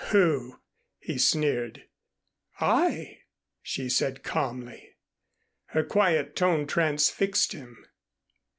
"Who?" he sneered. "I," she said calmly. Her quiet tone transfixed him.